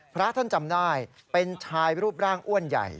พระท่านจำได้เป็นชายรูปร่างอ้วนใหญ่